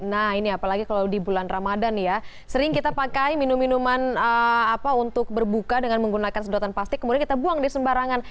nah ini apalagi kalau di bulan ramadan ya sering kita pakai minum minuman untuk berbuka dengan menggunakan sedotan plastik kemudian kita buang di sembarangan